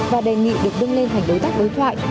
và đề nghị được đưa lên thành đối tác đối thoại